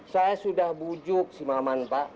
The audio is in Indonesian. saya sudah bujuk si maman pak